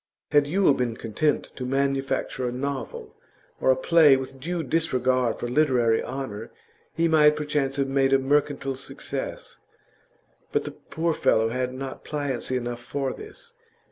Had Yule been content to manufacture a novel or a play with due disregard for literary honour, he might perchance have made a mercantile success; but the poor fellow had not pliancy enough for this.